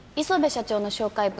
磯辺社長の紹介